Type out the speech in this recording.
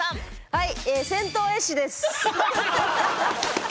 はい。